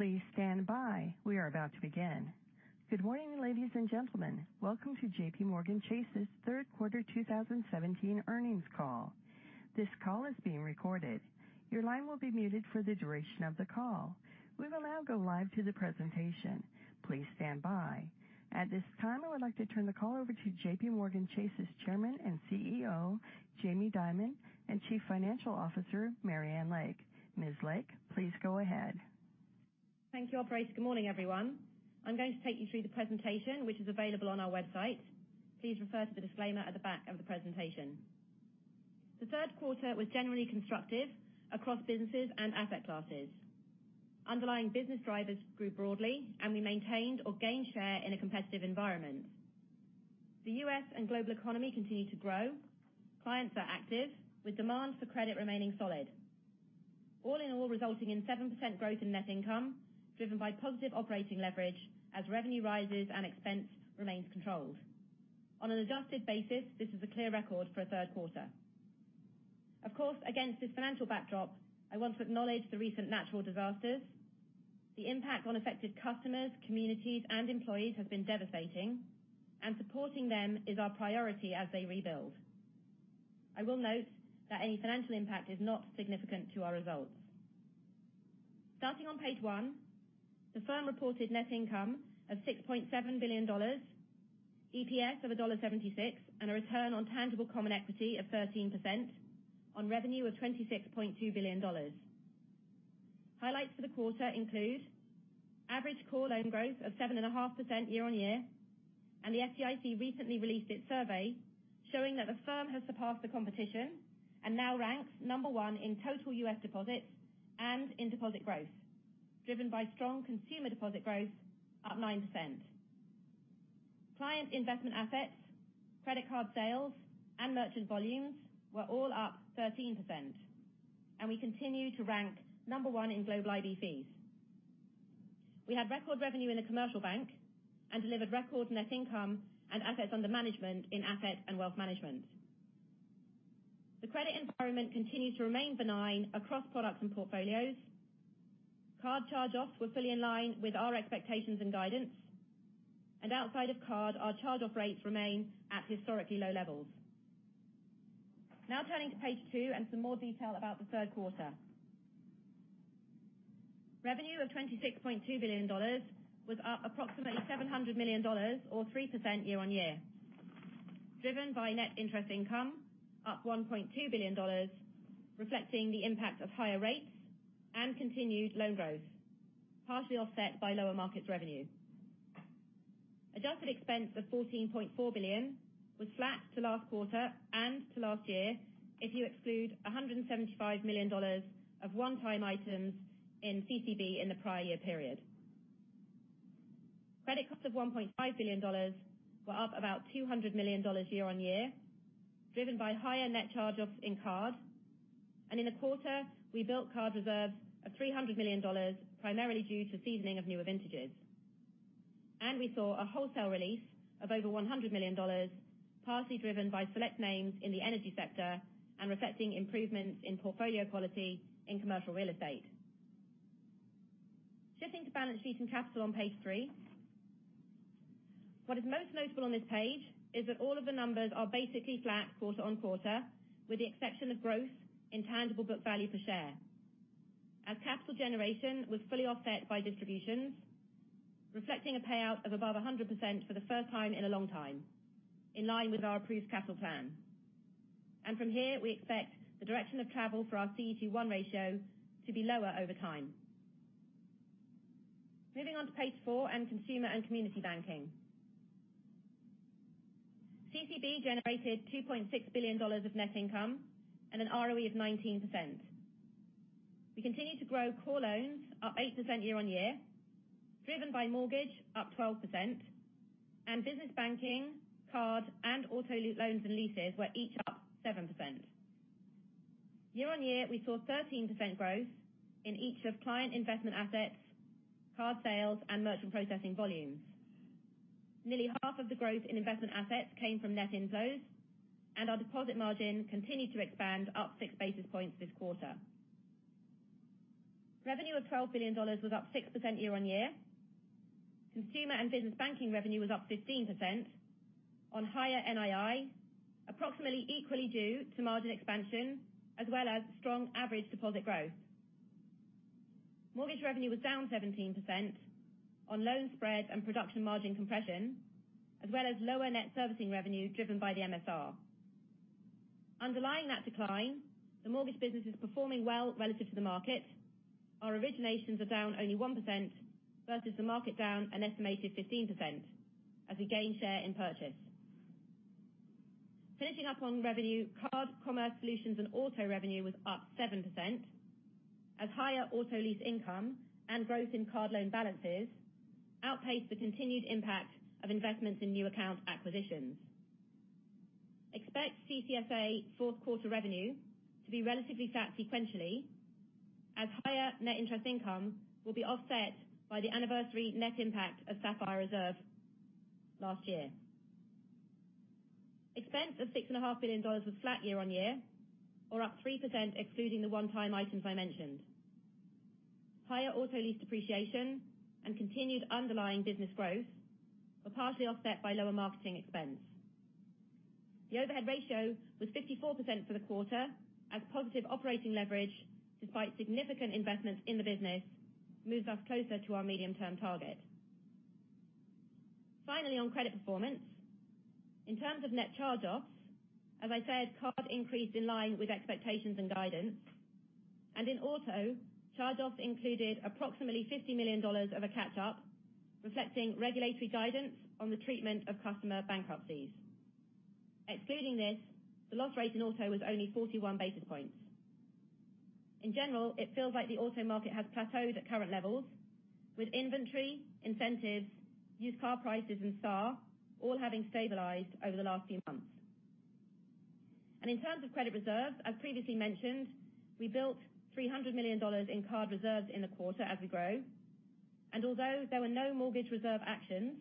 Please stand by. We are about to begin. Good morning, ladies and gentlemen. Welcome to JPMorgan Chase's third quarter 2017 earnings call. This call is being recorded. Your line will be muted for the duration of the call. We will now go live to the presentation. Please stand by. At this time, I would like to turn the call over to JPMorgan Chase's Chairman and CEO, Jamie Dimon, and Chief Financial Officer, Marianne Lake. Ms. Lake, please go ahead. Thank you, operator. Good morning, everyone. I'm going to take you through the presentation, which is available on our website. Please refer to the disclaimer at the back of the presentation. The third quarter was generally constructive across businesses and asset classes. Underlying business drivers grew broadly. We maintained or gained share in a competitive environment. The U.S. and global economy continue to grow. Clients are active, with demands for credit remaining solid. All in all, resulting in 7% growth in net income, driven by positive operating leverage, as revenue rises and expense remains controlled. On an adjusted basis, this is a clear record for a third quarter. Of course, against this financial backdrop, I want to acknowledge the recent natural disasters. The impact on affected customers, communities, and employees has been devastating, supporting them is our priority as they rebuild. I will note that any financial impact is not significant to our results. Starting on page one, the firm reported net income of $6.7 billion, EPS of $1.76, and a return on tangible common equity of 13% on revenue of $26.2 billion. Highlights for the quarter include average core loan growth of 7.5% year-on-year. The FDIC recently released its survey showing that the firm has surpassed the competition and now ranks number one in total U.S. deposits and in deposit growth, driven by strong consumer deposit growth at 9%. Client investment assets, credit card sales, and merchant volumes were all up 13%. We continue to rank number one in global IB fees. We had record revenue in the commercial bank and delivered record net income and assets under management in asset and wealth management. The credit environment continues to remain benign across products and portfolios. Card charge-offs were fully in line with our expectations and guidance. Outside of card, our charge-off rates remain at historically low levels. Turning to page two and some more detail about the third quarter. Revenue of $26.2 billion was up approximately $700 million or 3% year-on-year, driven by net interest income up $1.2 billion, reflecting the impact of higher rates and continued loan growth, partially offset by lower markets revenue. Adjusted expense of $14.4 billion was flat to last quarter and to last year if you exclude $175 million of one-time items in CCB in the prior year period. Credit costs of $1.5 billion were up about $200 million year-on-year, driven by higher net charge-offs in card. In the quarter, we built card reserves of $300 million, primarily due to seasoning of newer vintages. We saw a wholesale release of over $100 million, partially driven by select names in the energy sector and reflecting improvements in portfolio quality in commercial real estate. Shifting to balance sheet and capital on page three. What is most notable on this page is that all of the numbers are basically flat quarter-on-quarter, with the exception of growth in tangible book value per share, as capital generation was fully offset by distributions, reflecting a payout of above 100% for the first time in a long time, in line with our approved capital plan. From here, we expect the direction of travel for our CET1 ratio to be lower over time. Moving on to page four on consumer and community banking. CCB generated $2.6 billion of net income and an ROE of 19%. We continue to grow core loans up 8% year-on-year, driven by mortgage up 12%, and business banking, card, and auto loans and leases were each up 7%. Year-on-year, we saw 13% growth in each of client investment assets, card sales, and merchant processing volumes. Nearly half of the growth in investment assets came from net inflows, and our deposit margin continued to expand up six basis points this quarter. Revenue of $12 billion was up 6% year-on-year. Consumer and business banking revenue was up 15% on higher NII, approximately equally due to margin expansion, as well as strong average deposit growth. Mortgage revenue was down 17% on loan spread and production margin compression, as well as lower net servicing revenue driven by the MSR. Underlying that decline, the mortgage business is performing well relative to the market. Our originations are down only 1% versus the market down an estimated 15% as we gain share in purchase. Finishing up on revenue, card, commerce solutions, and auto revenue was up 7%, as higher auto lease income and growth in card loan balances outpaced the continued impact of investments in new account acquisitions. Expect CCSA fourth quarter revenue to be relatively flat sequentially, as higher net interest income will be offset by the anniversary net impact of Sapphire Reserve last year. Expense of $6.5 billion was flat year-on-year or up 3% excluding the one-time items I mentioned. Higher auto lease depreciation and continued underlying business growth were partially offset by lower marketing expense. The overhead ratio was 54% for the quarter as positive operating leverage, despite significant investments in the business, moves us closer to our medium-term target. Finally, on credit performance, in terms of net charge-offs, as I said, card increased in line with expectations and guidance. In auto, charge-offs included approximately $50 million of a catch-up, reflecting regulatory guidance on the treatment of customer bankruptcies. Excluding this, the loss rate in auto was only 41 basis points. In general, it feels like the auto market has plateaued at current levels with inventory, incentives, used car prices, and STAR all having stabilized over the last few months. In terms of credit reserves, as previously mentioned, we built $300 million in card reserves in the quarter as we grow. Although there were no mortgage reserve actions,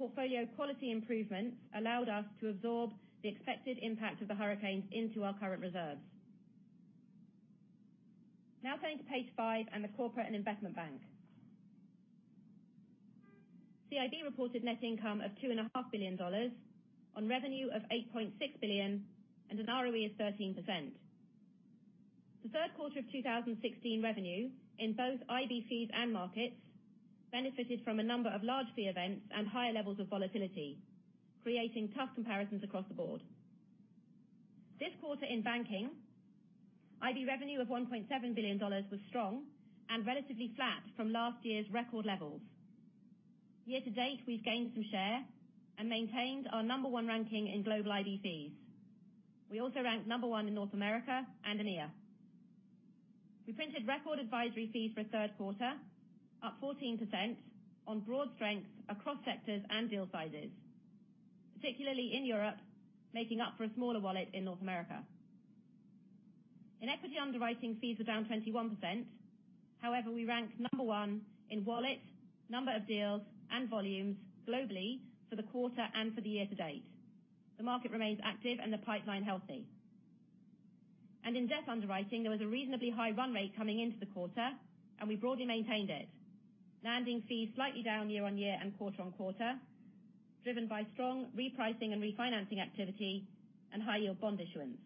portfolio quality improvements allowed us to absorb the expected impact of the hurricanes into our current reserves. Now turning to page five and the Corporate and Investment Bank. CIB reported net income of $2.5 billion on revenue of $8.6 billion and an ROE of 13%. The third quarter of 2016 revenue in both IB fees and markets benefited from a number of large fee events and higher levels of volatility, creating tough comparisons across the board. This quarter in banking, IB revenue of $1.7 billion was strong and relatively flat from last year's record levels. Year to date, we've gained some share and maintained our number one ranking in global IB fees. We also ranked number one in North America and EMEA. We printed record advisory fees for third quarter, up 14% on broad strength across sectors and deal sizes, particularly in Europe, making up for a smaller wallet in North America. In equity underwriting, fees were down 21%. We ranked number one in wallet, number of deals, and volumes globally for the quarter and for the year to date. The market remains active and the pipeline healthy. In debt underwriting, there was a reasonably high run rate coming into the quarter, and we broadly maintained it, landing fees slightly down year-on-year and quarter-on-quarter, driven by strong repricing and refinancing activity and high-yield bond issuance.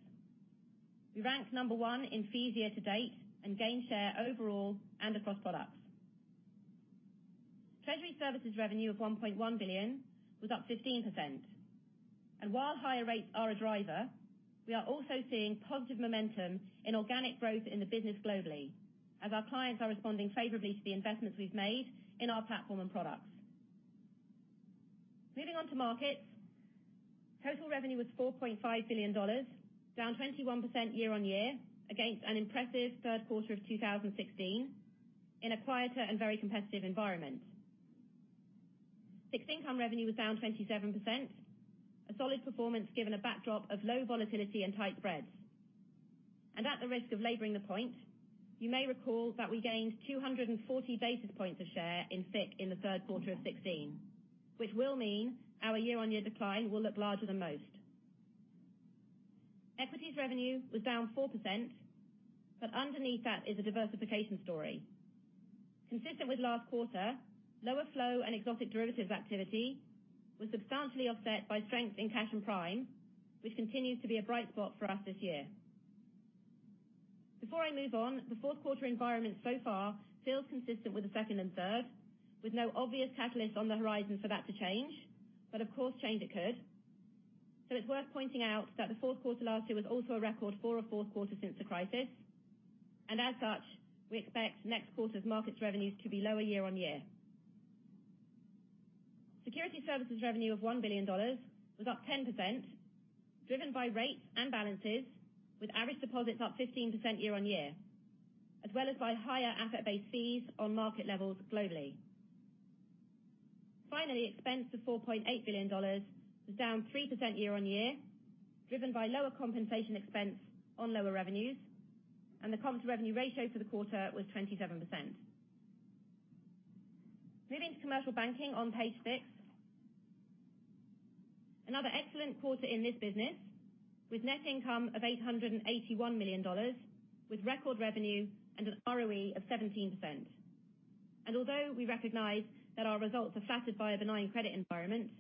We ranked number one in fees year to date and gained share overall and across products. Treasury services revenue of $1.1 billion was up 15%. While higher rates are a driver, we are also seeing positive momentum in organic growth in the business globally as our clients are responding favorably to the investments we've made in our platform and products. Moving on to markets. Total revenue was $4.5 billion, down 21% year-on-year against an impressive third quarter of 2016 in a quieter and very competitive environment. FICC income revenue was down 27%, a solid performance given a backdrop of low volatility and tight spreads. At the risk of laboring the point, you may recall that we gained 240 basis points of share in FICC in the third quarter of 2016, which will mean our year-on-year decline will look larger than most. Equities revenue was down 4%, but underneath that is a diversification story. Consistent with last quarter, lower flow and exotic derivatives activity was substantially offset by strength in cash and prime, which continues to be a bright spot for us this year. Before I move on, the fourth quarter environment so far feels consistent with the second and third, with no obvious catalyst on the horizon for that to change. Of course, change it could. So it's worth pointing out that the fourth quarter last year was also a record for a fourth quarter since the crisis. As such, we expect next quarter's markets revenues to be lower year-on-year. Security services revenue of $1 billion was up 10%, driven by rates and balances, with average deposits up 15% year-on-year, as well as by higher asset base fees on market levels globally. Finally, expense of $4.8 billion was down 3% year-on-year, driven by lower compensation expense on lower revenues, and the comp to revenue ratio for the quarter was 27%. Moving to commercial banking on page six. Another excellent quarter in this business, with net income of $881 million, with record revenue and an ROE of 17%. Although we recognize that our results are flattered by a benign credit environment,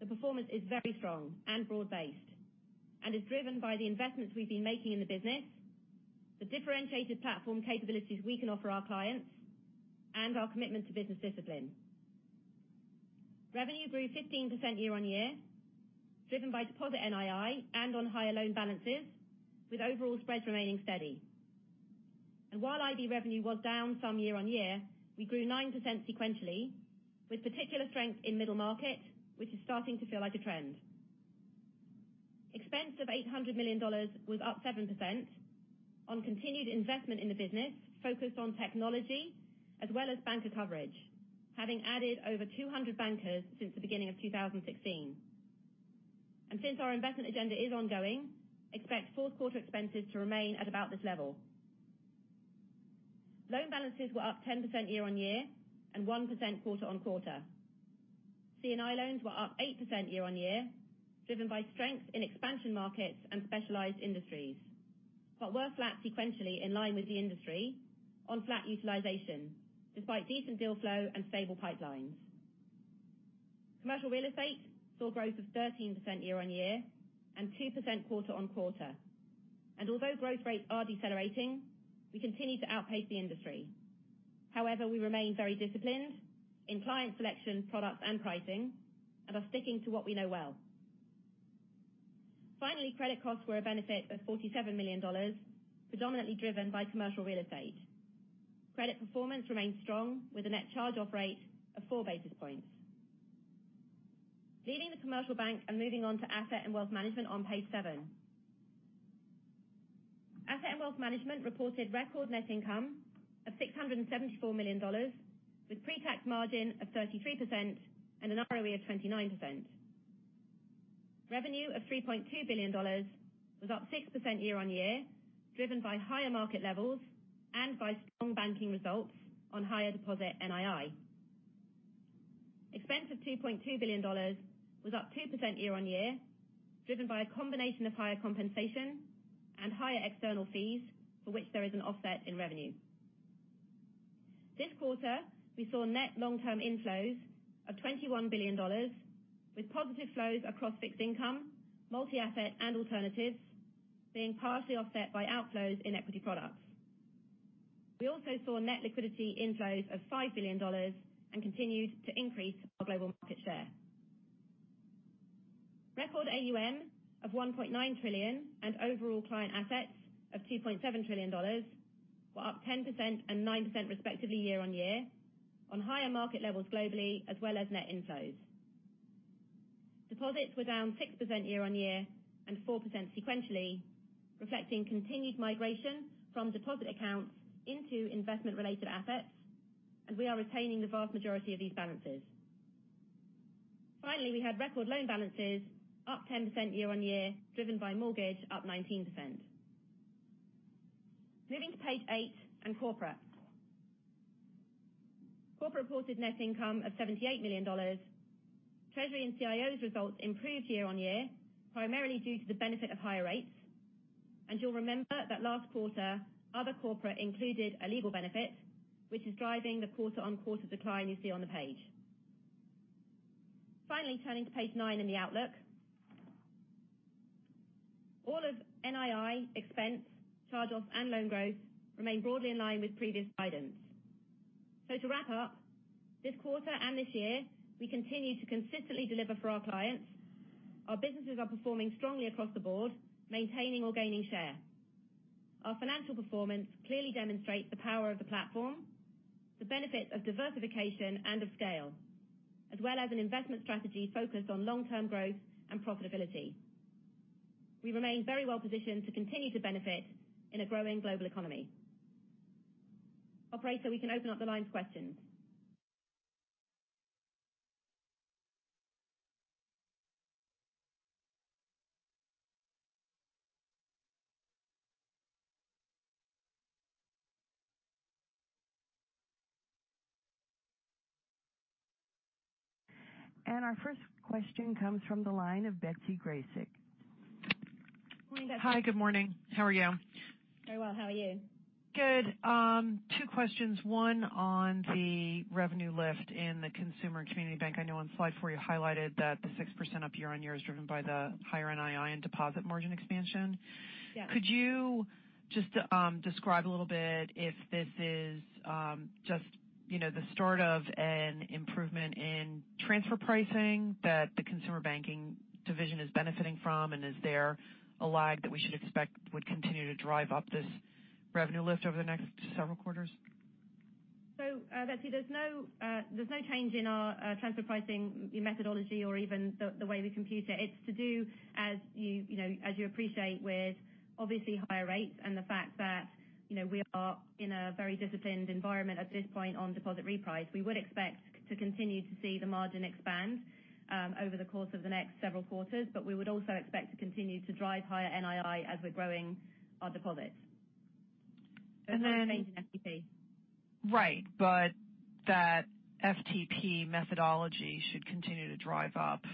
the performance is very strong and broad-based, and is driven by the investments we've been making in the business, the differentiated platform capabilities we can offer our clients, and our commitment to business discipline. Revenue grew 15% year-on-year, driven by deposit NII and on higher loan balances, with overall spreads remaining steady. While IB revenue was down some year-on-year, we grew 9% sequentially, with particular strength in middle market, which is starting to feel like a trend. Expense of $800 million was up 7% on continued investment in the business focused on technology as well as banker coverage, having added over 200 bankers since the beginning of 2016. Since our investment agenda is ongoing, expect fourth quarter expenses to remain at about this level. Loan balances were up 10% year-on-year and 1% quarter-on-quarter. C&I loans were up 8% year-on-year, driven by strength in expansion markets and specialized industries, but were flat sequentially in line with the industry on flat utilization, despite decent deal flow and stable pipelines. Commercial real estate saw growth of 13% year-on-year and 2% quarter-on-quarter. Although growth rates are decelerating, we continue to outpace the industry. We remain very disciplined in client selection products and pricing and are sticking to what we know well. Finally, credit costs were a benefit of $47 million, predominantly driven by commercial real estate. Credit performance remains strong with a net charge-off rate of four basis points. Leaving the commercial bank and moving on to asset and wealth management on page seven. Asset and wealth management reported record net income of $674 million with pre-tax margin of 33% and an ROE of 29%. Revenue of $3.2 billion was up 6% year-on-year, driven by higher market levels and by strong banking results on higher deposit NII. Expense of $2.2 billion was up 2% year-on-year, driven by a combination of higher compensation and higher external fees, for which there is an offset in revenue. This quarter, we saw net long-term inflows of $21 billion, with positive flows across fixed income, multi-asset, and alternatives being partially offset by outflows in equity products. We also saw net liquidity inflows of $5 billion and continued to increase our global market share. Record AUM of $1.9 trillion and overall client assets of $2.7 trillion were up 10% and 9% respectively year-on-year, on higher market levels globally as well as net inflows. Deposits were down 6% year-on-year and 4% sequentially, reflecting continued migration from deposit accounts into investment-related assets, and we are retaining the vast majority of these balances. Finally, we had record loan balances up 10% year-on-year, driven by mortgage up 19%. Moving to page eight and corporate. Corporate reported net income of $78 million. Treasury and CIO's results improved year-on-year, primarily due to the benefit of higher rates. You'll remember that last quarter, other corporate included a legal benefit, which is driving the quarter-on-quarter decline you see on the page. Finally, turning to page nine in the outlook. All of NII expense, charge-offs, and loan growth remain broadly in line with previous guidance. To wrap up, this quarter and this year, we continue to consistently deliver for our clients. Our businesses are performing strongly across the board, maintaining or gaining share. Our financial performance clearly demonstrates the power of the platform, the benefits of diversification and of scale, as well as an investment strategy focused on long-term growth and profitability. We remain very well positioned to continue to benefit in a growing global economy. Operator, we can open up the line for questions. Our first question comes from the line of Betsy Graseck. Hi. Good morning. How are you? Very well. How are you? Good. Two questions. One on the revenue lift in the consumer community bank. I know on slide four you highlighted that the 6% up year-on-year is driven by the higher NII and deposit margin expansion. Yeah. Could you just describe a little bit if this is just the start of an improvement in transfer pricing that the consumer banking division is benefiting from? Is there a lag that we should expect would continue to drive up this revenue lift over the next several quarters? Betsy, there's no change in our transfer pricing methodology or even the way we compute it. It's to do, as you appreciate, with obviously higher rates and the fact that we are in a very disciplined environment at this point on deposit reprice. We would expect to continue to see the margin expand over the course of the next several quarters, but we would also expect to continue to drive higher NII as we're growing our deposits. And then- There's no change in FTP. Right. That FTP methodology should continue to drive up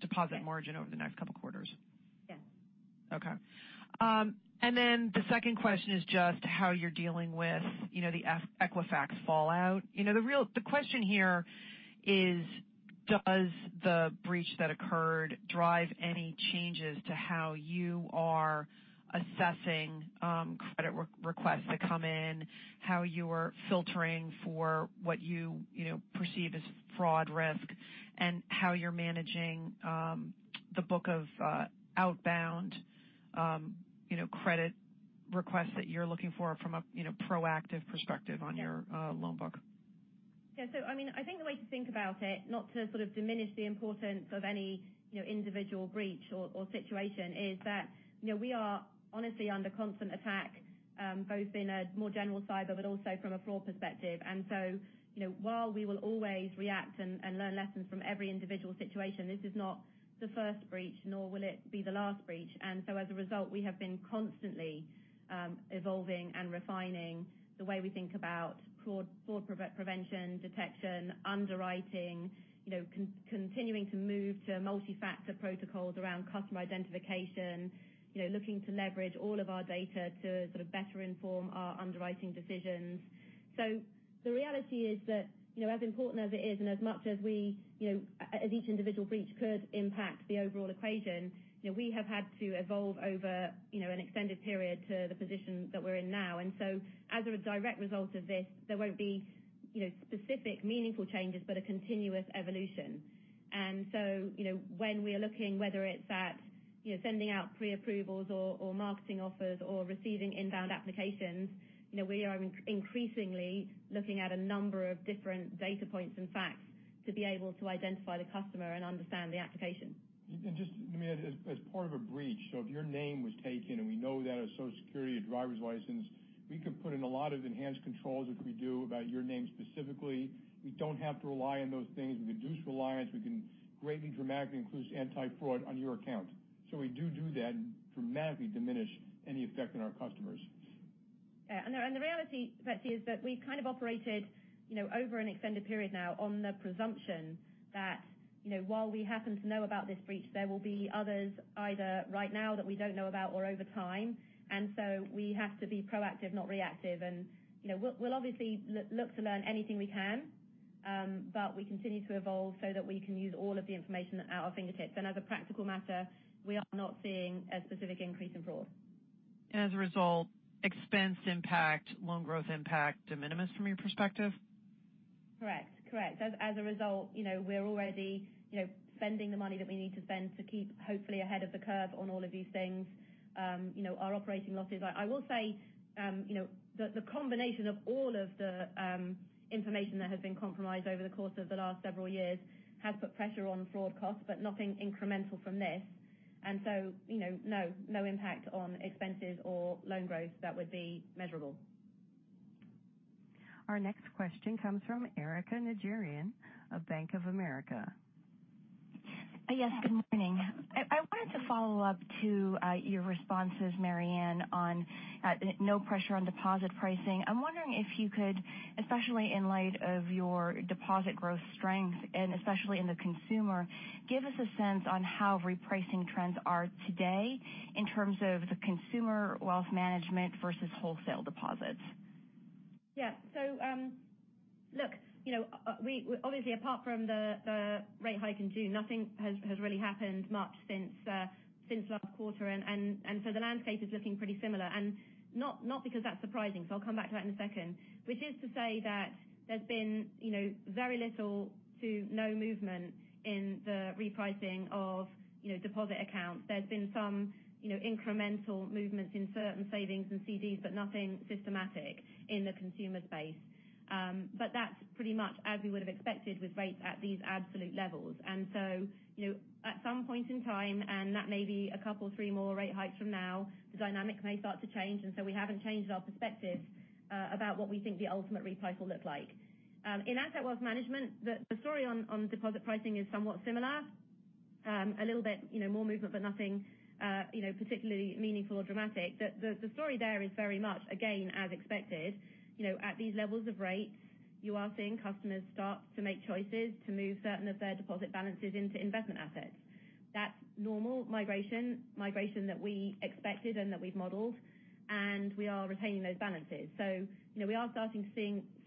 deposit margin over the next couple of quarters. Yes. Okay. The second question is just how you're dealing with the Equifax fallout. The question here is, does the breach that occurred drive any changes to how you are assessing credit requests that come in, how you are filtering for what you perceive as fraud risk, and how you're managing the book of outbound credit requests that you're looking for from a proactive perspective on your loan book? Yeah. I think the way to think about it, not to sort of diminish the importance of any individual breach or situation, is that we are honestly under constant attack both in a more general cyber, but also from a fraud perspective. While we will always react and learn lessons from every individual situation, this is not the first breach, nor will it be the last breach. As a result, we have been constantly evolving and refining the way we think about fraud prevention, detection, underwriting, continuing to move to multi-factor protocols around customer identification, looking to leverage all of our data to better inform our underwriting decisions. The reality is that as important as it is, and as much as each individual breach could impact the overall equation, we have had to evolve over an extended period to the position that we're in now. As a direct result of this, there won't be specific meaningful changes, but a continuous evolution. When we are looking, whether it's at sending out preapprovals or marketing offers or receiving inbound applications, we are increasingly looking at a number of different data points and facts to be able to identify the customer and understand the application. Just as part of a breach, if your name was taken, and we know that as Social Security and driver's license, we can put in a lot of enhanced controls, which we do about your name specifically. We don't have to rely on those things. We can reduce reliance. We can greatly dramatically include anti-fraud on your account. We do that and dramatically diminish any effect on our customers. The reality, Betsy, is that we've operated over an extended period now on the presumption that while we happen to know about this breach, there will be others either right now that we don't know about or over time. We have to be proactive, not reactive. We'll obviously look to learn anything we can, but we continue to evolve so that we can use all of the information at our fingertips. As a practical matter, we are not seeing a specific increase in fraud. As a result, expense impact, loan growth impact, de minimis from your perspective? Correct. As a result, we're already spending the money that we need to spend to keep hopefully ahead of the curve on all of these things. I will say that the combination of all of the information that has been compromised over the course of the last several years has put pressure on fraud costs, but nothing incremental from this. No impact on expenses or loan growth that would be measurable. Our next question comes from Erika Najarian of Bank of America. Yes, good morning. I wanted to follow up to your responses, Marianne, on no pressure on deposit pricing. I'm wondering if you could, especially in light of your deposit growth strength and especially in the consumer, give us a sense on how repricing trends are today in terms of the consumer wealth management versus wholesale deposits. Yeah. Look, obviously, apart from the rate hike in June, nothing has really happened much since last quarter. The landscape is looking pretty similar. Not because that's surprising, so I'll come back to that in a second, which is to say that there's been very little to no movement in the repricing of deposit accounts. There's been some incremental movements in certain savings and CDs, but nothing systematic in the consumer space. That's pretty much as we would have expected with rates at these absolute levels. At some point in time, and that may be a couple, three more rate hikes from now, the dynamic may start to change, and so we haven't changed our perspective about what we think the ultimate reprice will look like. In asset wealth management, the story on deposit pricing is somewhat similar. A little bit more movement, but nothing particularly meaningful or dramatic. The story there is very much, again, as expected. At these levels of rates, you are seeing customers start to make choices to move certain of their deposit balances into investment assets. That's normal migration that we expected and that we've modeled, and we are retaining those balances. We are starting to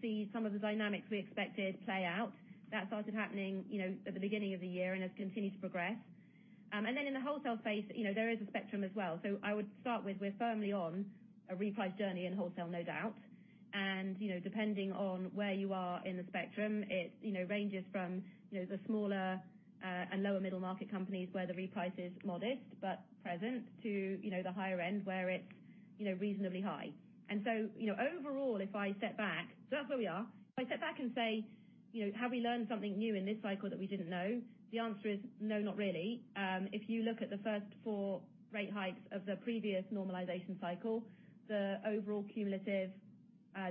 see some of the dynamics we expected play out. That started happening at the beginning of the year and has continued to progress. In the wholesale space, there is a spectrum as well. I would start with we're firmly on a reprice journey in wholesale, no doubt. Depending on where you are in the spectrum, it ranges from the smaller and lower middle market companies where the reprice is modest but present to the higher end where it's reasonably high. Overall, if I step back, so that's where we are. If I step back and say, have we learned something new in this cycle that we didn't know? The answer is no, not really. If you look at the first four rate hikes of the previous normalization cycle, the overall cumulative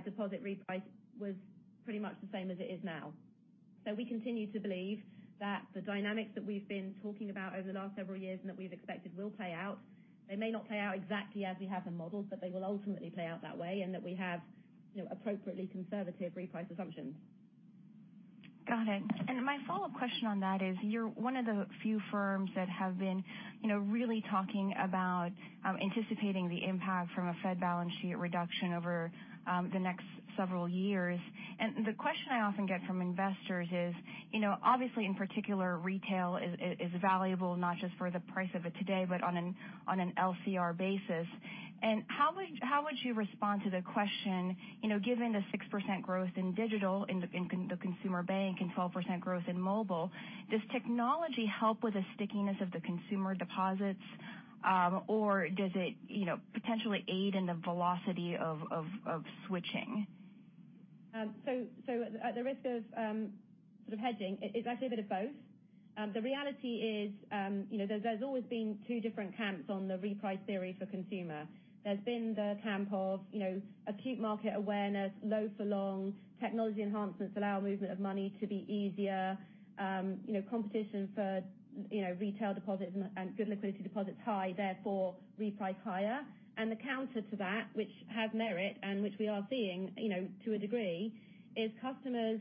deposit reprice was pretty much the same as it is now. We continue to believe that the dynamics that we've been talking about over the last several years and that we've expected will play out. They may not play out exactly as we have them modeled, but they will ultimately play out that way and that we have appropriately conservative reprice assumptions. Got it. My follow-up question on that is, you're one of the few firms that have been really talking about anticipating the impact from a Fed balance sheet reduction over the next several years. The question I often get from investors is, obviously in particular, retail is valuable not just for the price of it today, but on an LCR basis. How would you respond to the question, given the 6% growth in digital in the consumer bank and 12% growth in mobile, does technology help with the stickiness of the consumer deposits? Or does it potentially aid in the velocity of switching? At the risk of hedging, it's actually a bit of both. The reality is there's always been two different camps on the reprice theory for consumer. There's been the camp of acute market awareness, low for long, technology enhancements allow movement of money to be easier, competition for retail deposits and good liquidity deposits high, therefore reprice higher. The counter to that, which has merit and which we are seeing to a degree, is customers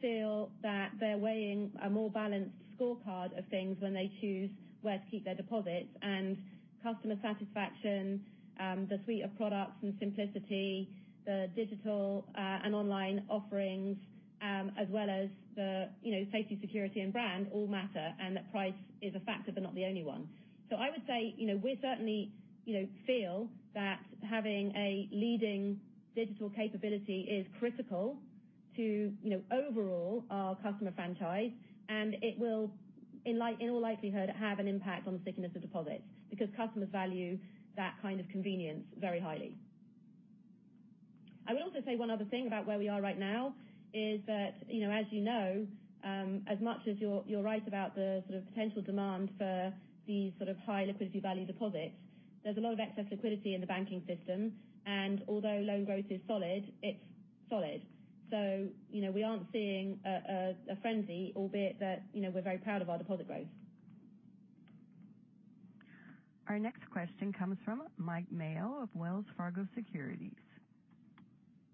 feel that they're weighing a more balanced scorecard of things when they choose where to keep their deposits, and customer satisfaction, the suite of products and simplicity, the digital and online offerings, as well as the safety, security, and brand all matter. That price is a factor, but not the only one. I would say we certainly feel that having a leading digital capability is critical to overall our customer franchise, it will in all likelihood have an impact on the thickness of deposits because customers value that kind of convenience very highly. I would also say one other thing about where we are right now is that, as you know, as much as you're right about the potential demand for these high liquidity value deposits, there's a lot of excess liquidity in the banking system, although loan growth is solid, it's solid. We aren't seeing a frenzy, albeit that we're very proud of our deposit growth. Our next question comes from Mike Mayo of Wells Fargo Securities.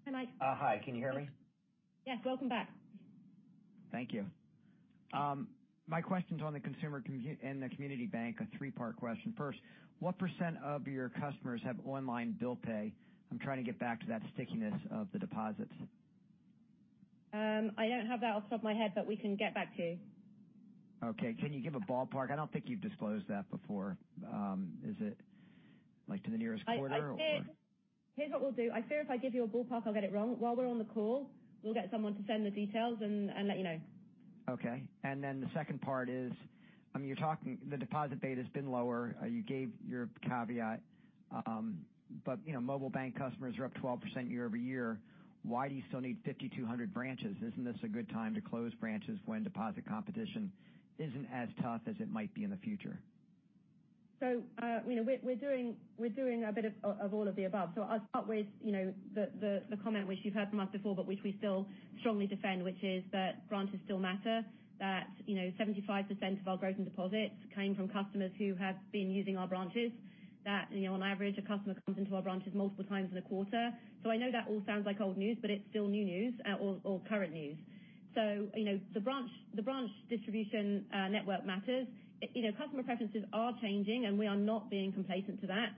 Hi, Mike. Hi, can you hear me? Yes. Welcome back. Thank you. My question is on the consumer and the community bank, a three-part question. First, what % of your customers have online bill pay? I'm trying to get back to that stickiness of the deposits. I don't have that off the top of my head, but we can get back to you. Okay. Can you give a ballpark? I don't think you've disclosed that before. Is it to the nearest quarter or? Here's what we'll do. I fear if I give you a ballpark, I'll get it wrong. While we're on the call, we'll get someone to send the details and let you know. Okay. The second part is, the deposit beta's been lower. You gave your caveat. Mobile bank customers are up 12% year-over-year. Why do you still need 5,200 branches? Isn't this a good time to close branches when deposit competition isn't as tough as it might be in the future? We're doing a bit of all of the above. I'll start with the comment which you've heard from us before but which we still strongly defend, which is that branches still matter, that 75% of our growth in deposits came from customers who have been using our branches. That on average, a customer comes into our branches multiple times in a quarter. I know that all sounds like old news, but it's still new news or current news. The branch distribution network matters. Customer preferences are changing, and we are not being complacent to that.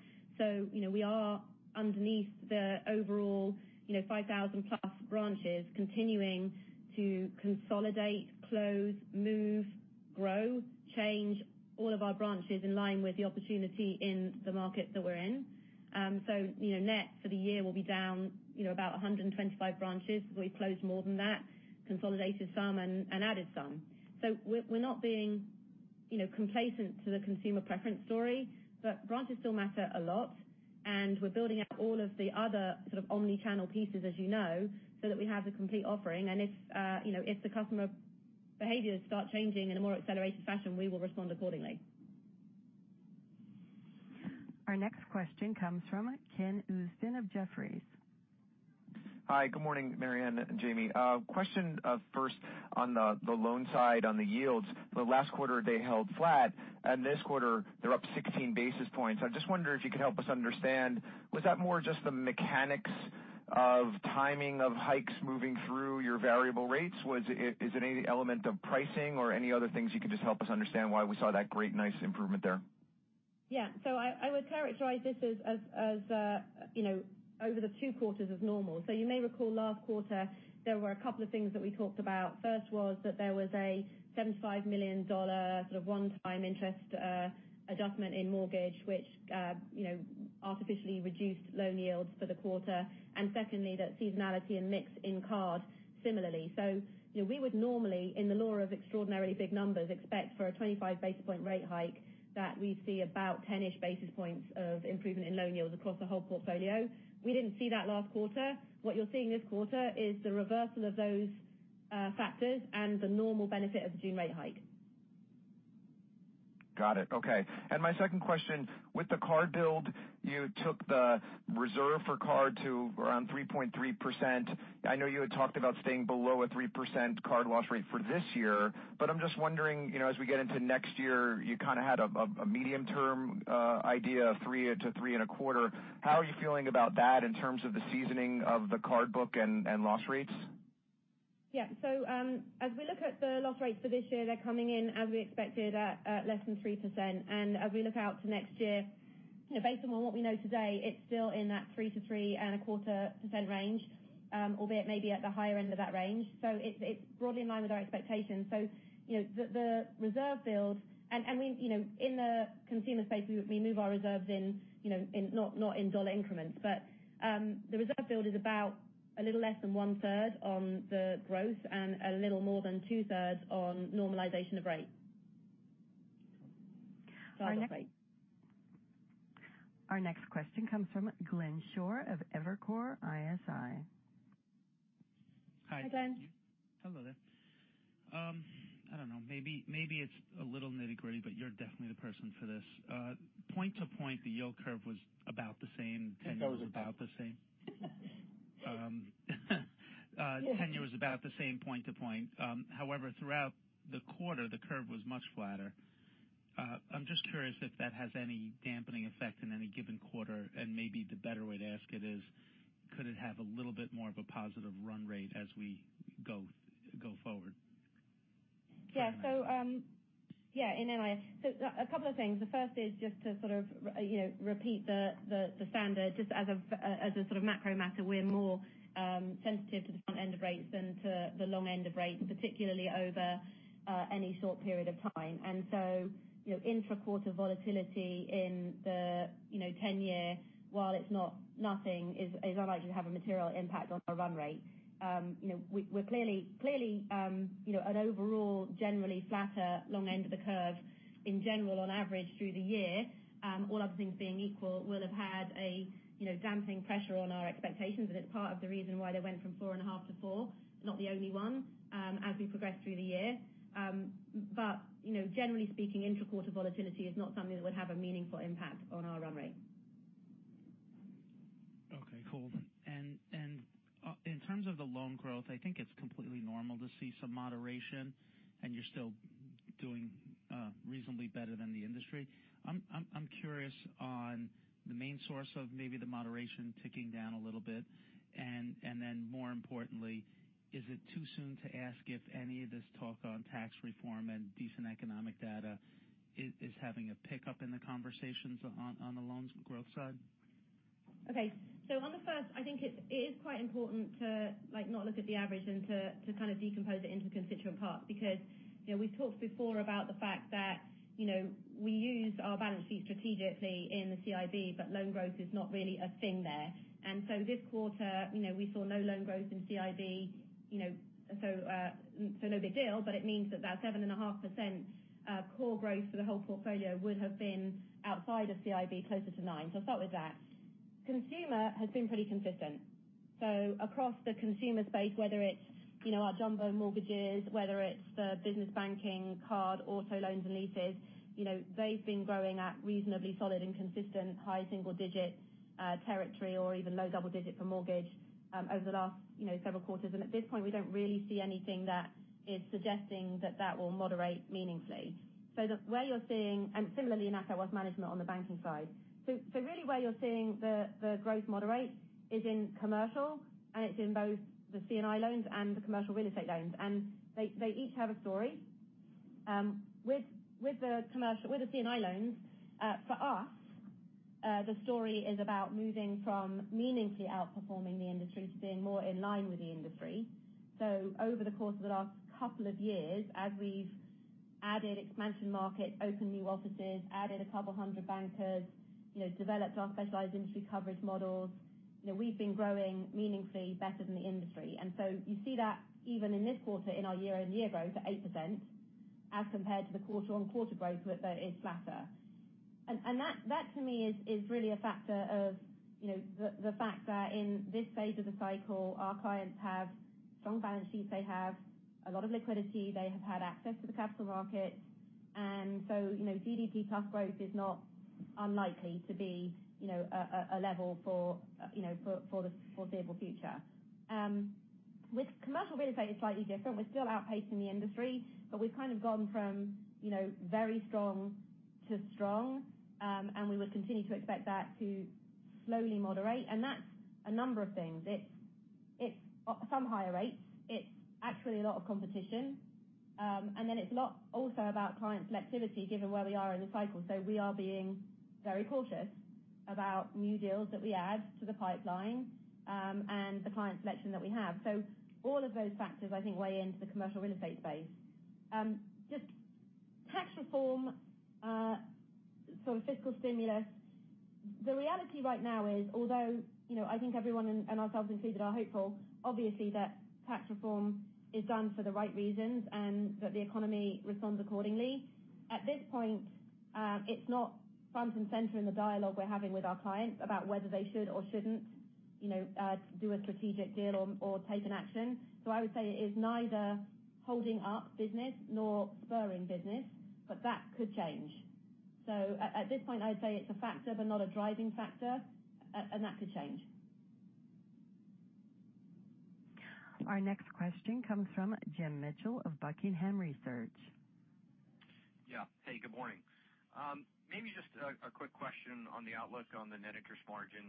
We are underneath the overall 5,000 plus branches continuing to consolidate, close, move, grow, change all of our branches in line with the opportunity in the market that we're in. Net for the year will be down about 125 branches. We've closed more than that, consolidated some, and added some. We're not being complacent to the consumer preference story, but branches still matter a lot, and we're building out all of the other omnichannel pieces as you know, so that we have the complete offering. If the customer behaviors start changing in a more accelerated fashion, we will respond accordingly. Our next question comes from Ken Usdin of Jefferies. Hi, good morning, Marianne and Jamie. Question first on the loan side on the yields. Last quarter they held flat. This quarter they're up 16 basis points. I just wonder if you could help us understand, was that more just the mechanics of timing of hikes moving through your variable rates? Is it any element of pricing or any other things you could just help us understand why we saw that great nice improvement there? Yeah. I would characterize this as over the two quarters as normal. You may recall last quarter, there were a couple of things that we talked about. First was that there was a $75 million one-time interest adjustment in mortgage, which artificially reduced loan yields for the quarter. Secondly, that seasonality and mix in card similarly. We would normally, in the lore of extraordinarily big numbers, expect for a 25 basis point rate hike that we'd see about 10-ish basis points of improvement in loan yields across the whole portfolio. We didn't see that last quarter. What you're seeing this quarter is the reversal of those factors and the normal benefit of the June rate hike. Got it. Okay. My second question, with the card build, you took the reserve for card to around 3.3%. I know you had talked about staying below a 3% card loss rate for this year, but I'm just wondering, as we get into next year, you had a medium term idea of 3%-3.25%. How are you feeling about that in terms of the seasoning of the card book and loss rates? Yeah. As we look at the loss rates for this year, they're coming in as we expected at less than 3%. As we look out to next year, based on what we know today, it's still in that 3%-3.25% range, albeit maybe at the higher end of that range. It's broadly in line with our expectations. The reserve build. In the consumer space, we move our reserves not in dollar increments. The reserve build is about a little less than one-third on the growth and a little more than two-thirds on normalization of rates. Our next question comes from Glenn Schorr of Evercore ISI. Hi. Hi, Glenn. Hello there. I don't know, maybe it's a little nitty-gritty, you're definitely the person for this. Point to point, the yield curve was about the same. It was about the same. 10 year was about the same point to point. Throughout the quarter, the curve was much flatter. I'm just curious if that has any dampening effect in any given quarter, and maybe the better way to ask it is, could it have a little bit more of a positive run rate as we go forward? Yeah. A couple of things. The first is just to sort of repeat the standard, just as a sort of macro matter, we're more sensitive to the front end of rates than to the long end of rates, particularly over any short period of time. Intra-quarter volatility in the 10 year, while it's not nothing, is unlikely to have a material impact on our run rate. Clearly, an overall generally flatter long end of the curve in general, on average through the year, all other things being equal, will have had a damping pressure on our expectations, and it's part of the reason why they went from four and a half to four, not the only one, as we progress through the year. Generally speaking, intra-quarter volatility is not something that would have a meaningful impact on our run rate. Okay, cool. In terms of the loan growth, I think it's completely normal to see some moderation and you're still doing reasonably better than the industry. I'm curious on the main source of maybe the moderation ticking down a little bit and then more importantly, is it too soon to ask if any of this talk on tax reform and decent economic data is having a pickup in the conversations on the loans growth side? On the first, I think it is quite important to not look at the average and to kind of decompose it into constituent parts, because we talked before about the fact that we use our balance sheet strategically in the CIB, but loan growth is not really a thing there. This quarter, we saw no loan growth in CIB, so no big deal, but it means that that 7.5% core growth for the whole portfolio would have been outside of CIB, closer to nine. I'll start with that. Consumer has been pretty consistent. Across the consumer space, whether it's our jumbo mortgages, whether it's the business banking card, auto loans and leases, they've been growing at reasonably solid and consistent high single digit territory or even low double digit for mortgage over the last several quarters. At this point, we don't really see anything that is suggesting that that will moderate meaningfully. Similarly in asset wealth management on the banking side. Really where you're seeing the growth moderate is in commercial, and it's in both the C&I loans and the commercial real estate loans. They each have a story. With the C&I loans, for us, the story is about moving from meaningfully outperforming the industry to being more in line with the industry. Over the course of the last couple of years, as we've added expansion markets, opened new offices, added a couple hundred bankers, developed our specialized industry coverage models, we've been growing meaningfully better than the industry. You see that even in this quarter in our year-on-year growth at 8%, as compared to the quarter-on-quarter growth that is flatter. That to me is really a factor of the fact that in this phase of the cycle, our clients have strong balance sheets, they have a lot of liquidity, they have had access to the capital markets, GDP plus growth is not unlikely to be a level for the foreseeable future. With commercial real estate, it's slightly different. We're still outpacing the industry, but we've kind of gone from very strong to strong, and we would continue to expect that to slowly moderate. That's a number of things. It's some higher rates. It's actually a lot of competition. It's a lot also about client selectivity, given where we are in the cycle. We are being very cautious about new deals that we add to the pipeline, and the client selection that we have. All of those factors, I think, weigh into the commercial real estate space. Just tax reform, sort of fiscal stimulus. The reality right now is, although I think everyone and ourselves included are hopeful, obviously, that tax reform is done for the right reasons and that the economy responds accordingly. At this point, it's not front and center in the dialogue we're having with our clients about whether they should or shouldn't do a strategic deal or take an action. I would say it is neither holding up business nor spurring business, but that could change. At this point, I'd say it's a factor, but not a driving factor, and that could change. Our next question comes from Jim Mitchell of Buckingham Research. Yeah. Hey, good morning. Maybe just a quick question on the outlook on the net interest margin.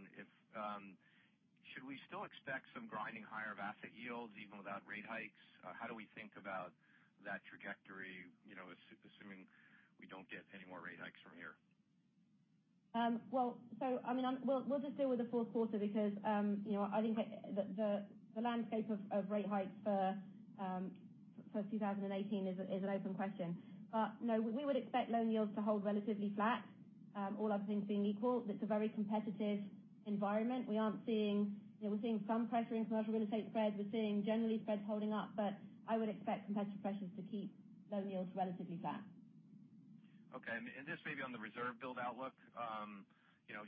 Should we still expect some grinding higher of asset yields even without rate hikes? How do we think about that trajectory assuming we don't get any more rate hikes from here? Well, we'll just deal with the fourth quarter because I think the landscape of rate hikes for 2018 is an open question. No, we would expect loan yields to hold relatively flat. All other things being equal, it's a very competitive environment. We're seeing some pressure in commercial real estate spreads. We're seeing generally spreads holding up. I would expect competitive pressures to keep loan yields relatively flat. Okay. This may be on the reserve build outlook.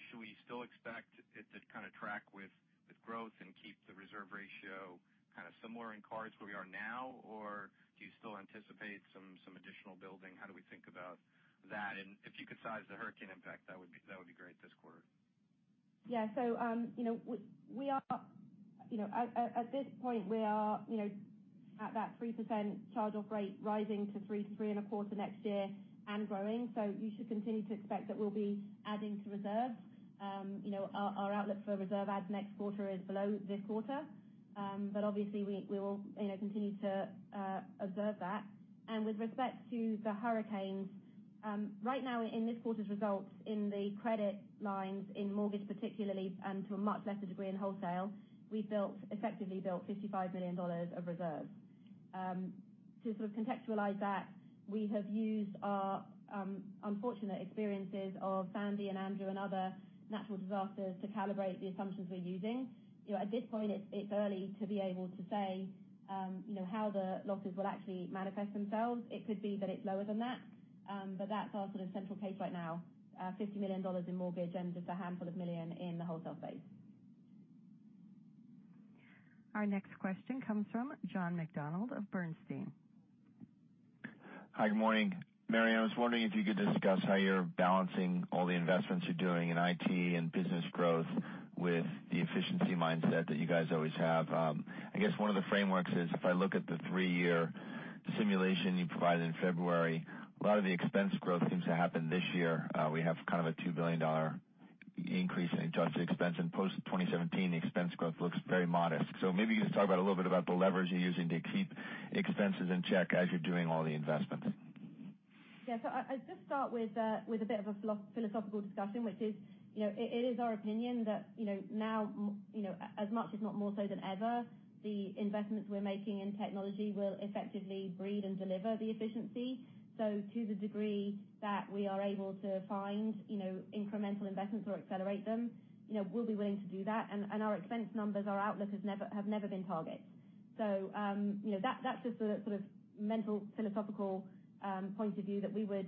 Should we still expect it to track with growth and keep the reserve ratio similar in cards where we are now, or do you still anticipate some additional building? How do we think about that? If you could size the hurricane impact, that would be great this quarter. At this point, we are at that 3% charge-off rate, rising to 3.25% next year and growing. You should continue to expect that we'll be adding to reserves. Our outlook for reserve adds next quarter is below this quarter. Obviously, we will continue to observe that. With respect to the hurricanes, right now in this quarter's results in the credit lines, in mortgage particularly, and to a much lesser degree in wholesale, we effectively built $55 million of reserves. To sort of contextualize that, we have used our unfortunate experiences of Hurricane Sandy and Hurricane Andrew and other natural disasters to calibrate the assumptions we're using. At this point, it's early to be able to say how the losses will actually manifest themselves. It could be that it's lower than that, but that's our central case right now, $50 million in mortgage and just a handful of million in the wholesale space. Our next question comes from John McDonald of Bernstein. Hi, good morning. Marianne, I was wondering if you could discuss how you're balancing all the investments you're doing in IT and business growth with the efficiency mindset that you guys always have. I guess one of the frameworks is if I look at the three-year simulation you provided in February, a lot of the expense growth seems to happen this year. We have a $2 billion increase in adjusted expense, and post-2017, the expense growth looks very modest. Maybe you could just talk about a little bit about the leverage you're using to keep expenses in check as you're doing all the investments. Yeah. I'll just start with a bit of a philosophical discussion, which is, it is our opinion that now, as much if not more so than ever, the investments we're making in technology will effectively breed and deliver the efficiency. To the degree that we are able to find incremental investments or accelerate them, we'll be willing to do that. Our expense numbers, our outlook have never been targets. That's just the sort of mental, philosophical point of view that we would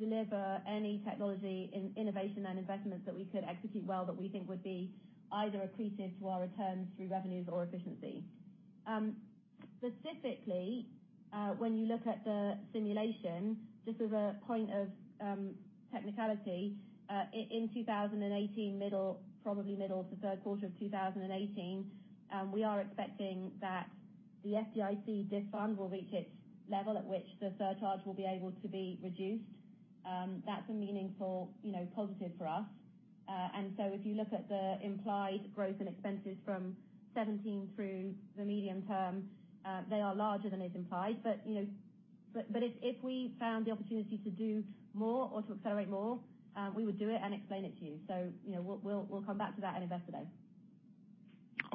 deliver any technology, innovation and investments that we could execute well that we think would be either accretive to our returns through revenues or efficiency. Specifically, when you look at the simulation, just as a point of technicality, in 2018, probably middle to third quarter of 2018, we are expecting that the FDIC DIF fund will reach its level at which the surcharge will be able to be reduced. That's a meaningful positive for us. If you look at the implied growth in expenses from 2017 through the medium term, they are larger than is implied. If we found the opportunity to do more or to accelerate more, we would do it and explain it to you. We'll come back to that at Investor Day.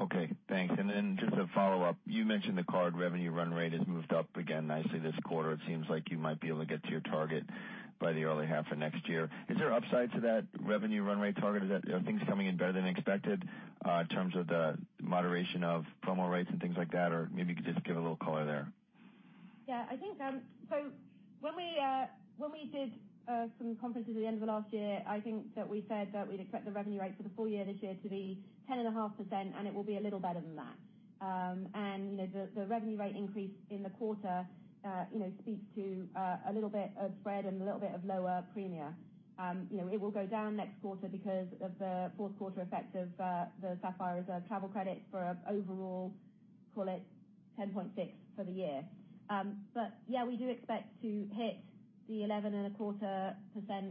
Okay, thanks. Just a follow-up. You mentioned the card revenue run rate has moved up again nicely this quarter. It seems like you might be able to get to your target by the early half of next year. Is there upside to that revenue run rate target? Are things coming in better than expected in terms of the moderation of promo rates and things like that? Maybe you could just give a little color there. Yeah. When we did some conferences at the end of last year, I think that we said that we'd expect the revenue rate for the full year this year to be 10.5%, and it will be a little better than that. The revenue rate increase in the quarter speaks to a little bit of spread and a little bit of lower premia. It will go down next quarter because of the fourth quarter effect of the Sapphire Reserve travel credit for overall, call it 10.6% for the year. Yeah, we do expect to hit the 11.25%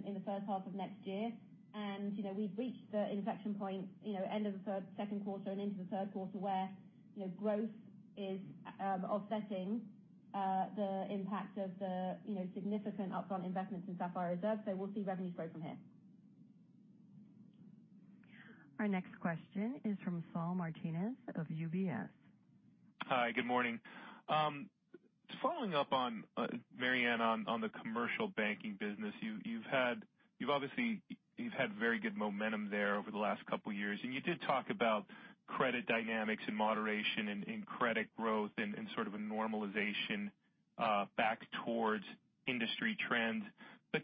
in the first half of next year. We've reached the inflection point, end of the second quarter and into the third quarter, where growth is offsetting the impact of the significant upfront investments in Sapphire Reserve. We'll see revenue growth from here. Our next question is from Saul Martinez of UBS. Hi, good morning. Just following up, Marianne, on the commercial banking business. You've had very good momentum there over the last couple of years, and you did talk about credit dynamics and moderation in credit growth and sort of a normalization back towards industry trends.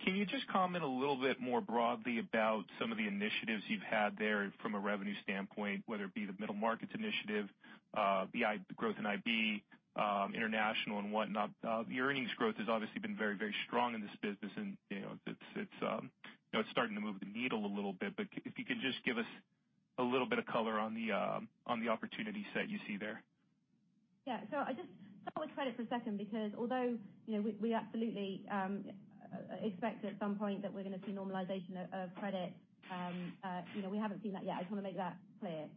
Can you just comment a little bit more broadly about some of the initiatives you've had there from a revenue standpoint, whether it be the middle markets initiative, the growth in IB, international and whatnot? The earnings growth has obviously been very strong in this business, and it's starting to move the needle a little bit. If you could just give us a little bit of color on the opportunity set you see there. Yeah. I just start with credit for a second because although we absolutely expect at some point that we're going to see normalization of credit, we haven't seen that yet. I just want to make that clear.